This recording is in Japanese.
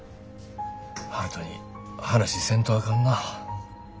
悠人に話せんとあかんな。